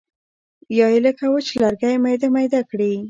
یا یې لکه وچ لرګی میده میده کړي.